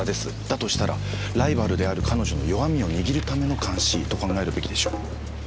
だとしたらライバルである彼女の弱みを握るための監視と考えるべきでしょう。